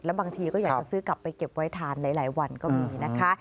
บางทีก็อยากจะซื้อกลับไปเก็บไว้ทานหลายวันก็มีนะคะ